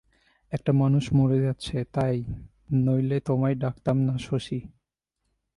একটা মানুষ মরে যাচ্ছে, তাই, নইলে তোমায় ডাকতাম না শশী।